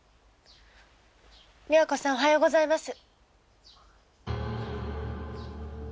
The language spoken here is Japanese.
美和子さんおはようございます。